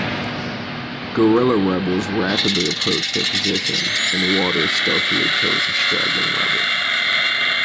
Guerrilla rebels rapidly approach their position, and Waters stealthily kills a straggling rebel.